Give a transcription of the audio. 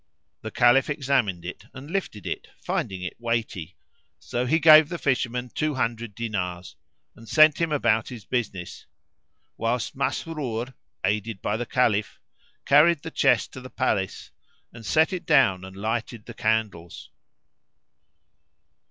The Caliph examined it and lifted it finding it weighty; so he gave the fisherman two hundred dinars and sent him about his business; whilst Masrur, aided by the Caliph, carried the chest to the palace and set it down and lighted the candles.